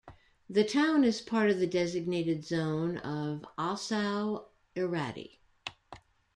The town is part of the designated zone of Ossau-iraty.